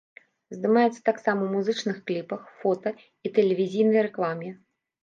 Здымаецца таксама ў музычных кліпах, фота- і тэлевізійнай рэкламе.